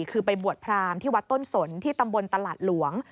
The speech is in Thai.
คือไปบวชพรามที่วัดต้นสนที่ตำบลตลาดหลวง